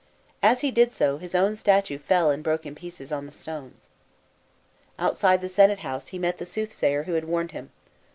As he did so, his own statue fell and broke in pieces on the stones. Outside the senate house, he met the soothsayer, who had warned him.